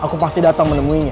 aku pasti datang menemuinya